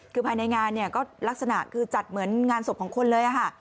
คือภายในงานเนี่ยก็ลักษณะคือจัดเหมือนงานศพของคนเลยค่ะ